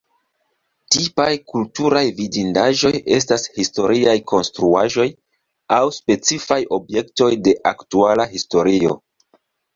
Tipaj kulturaj vidindaĵoj estas historiaj konstruaĵoj aŭ specifaj objektoj de aktuala historio.